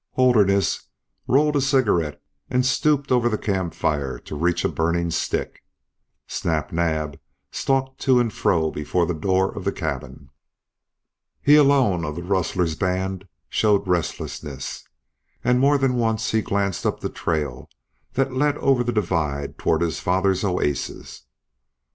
Holderness rolled a cigarette and stooped over the campfire to reach a burning stick. Snap Naab stalked to and fro before the door of the cabin. He alone of the rustler's band showed restlessness, and more than once he glanced up the trail that led over the divide toward his father's oasis.